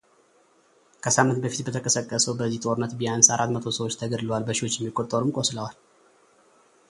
ከሳምንት በፊት በተቀሰቀሰው በዚህ ጦርነት ቢያንስ አራት መቶ ሰዎች ተገድለዋል በሺዎች የሚቆጠሩም ቆስለዋል።